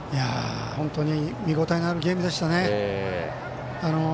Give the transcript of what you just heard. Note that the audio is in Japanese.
本当に見応えのあるゲームでしたね。